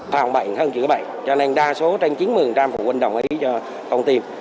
bạn bệnh hơn chữ bệnh cho nên đa số trên chín mươi phụ huynh đồng ý cho công tiêm